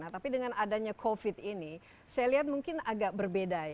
tapi dengan adanya covid ini saya lihat mungkin agak berbeda